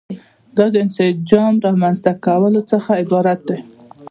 دا د انسجام د رامنځته کولو څخه عبارت دي.